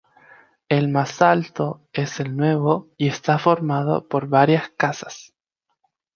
El más alto es el nuevo y está formado por varias casas.